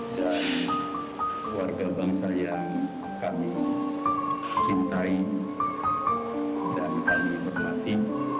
dan warga bangsa yang kami cintai dan kami hormati